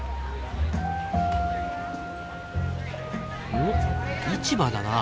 おっ市場だなあ。